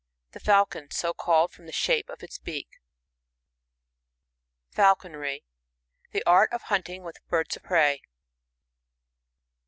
The Falcon, so called from the shape of its beak. Falconry. — The ai't of hunting with birds of prey.